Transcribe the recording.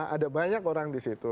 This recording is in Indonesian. ada banyak orang di situ